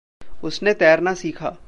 उसने तैरना सीखा।